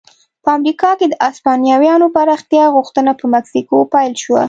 په امریکا کې د هسپانویانو پراختیا غوښتنه په مکسیکو پیل شوه.